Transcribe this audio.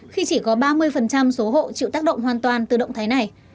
khi chỉ có ba mươi số hộ chịu tác động hoàn toàn từ động thái này